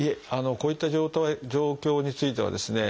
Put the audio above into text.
こういった状況についてはですね